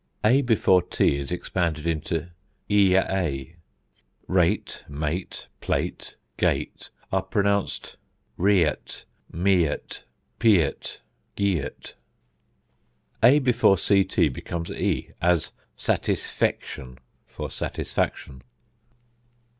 a before t is expanded into ea; rate, mate, plate, gate, are pronounced rėȧt, mėȧt, plėȧt, gėȧt. a before ct becomes e; as satisfection, for satisfaction.